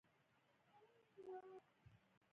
مساوي عدالت او د ښځو حقوقو شعارونه څه شول.